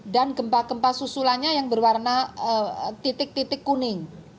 dan gempa gempa susulannya yang berwarna titik titik kuning